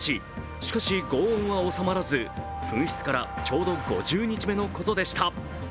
しかし、ごう音は収まらず噴出からおよそ５０日目のことでした。